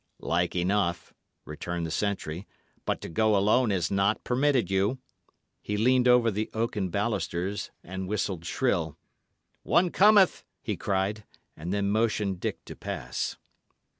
"Like enough," returned the sentry; "but to go alone is not permitted you." He leaned over the oaken balusters and whistled shrill. "One cometh!" he cried; and then motioned Dick to pass.